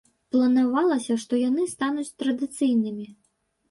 Планавалася, што яны стануць традыцыйнымі.